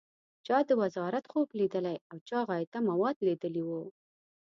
چا د وزارت خوب لیدلی او چا غایطه مواد لیدلي و.